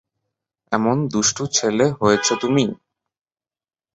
এমন দুষ্ট ছেলে হয়েছ তুমি?